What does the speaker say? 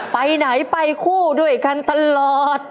ไปไหนไปคู่ด้วยกันตลอด